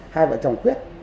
hai vợ chồng quyết